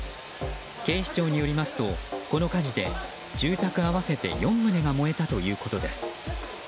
警視庁によりますとこの火事で住宅合わせて４棟が燃えたということです。